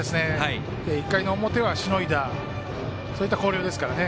１回の表はしのいだそういった広陵ですからね。